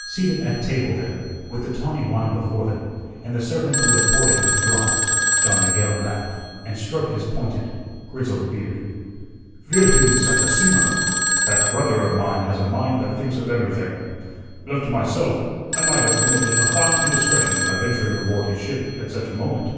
Seated at table there, with the tawny wine before them, and the servant who had poured it withdrawn, Don Miguel laughed and stroked his pointed, grizzled beard. "Virgen santisima! That brother of mine has a mind that thinks of everything. Left to myself, I might have committed a fine indiscretion by venturing aboard his ship at such a moment.